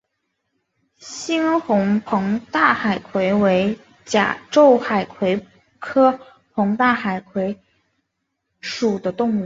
猩红膨大海葵为甲胄海葵科膨大海葵属的动物。